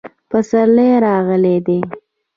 پسرلی راغلی دی